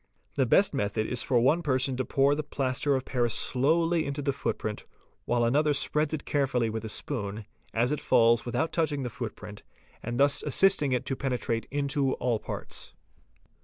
The best method is for one person to pour the plaster of ' paris slowly into the footprint while another spreads it carefully with a spoon, as it falls without touching the footprint, and thus assisting it to penetrate into all the parts.